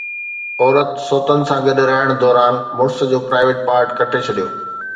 عورت سوتن سان گڏ رهڻ دوران مڙس جو پرائيويٽ پارٽ ڪٽي ڇڏيو